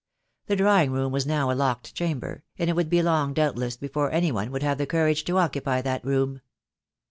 The drawing room was now a locked chamber, and it would be long doubtless before any one would have the courage to occupy that room.